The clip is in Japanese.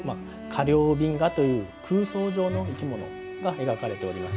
迦陵頻伽という空想上の生き物が描かれております。